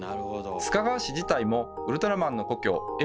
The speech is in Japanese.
須賀川市自体もウルトラマンの故郷「Ｍ７８